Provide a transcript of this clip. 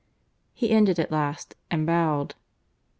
He ended at last, and bowed.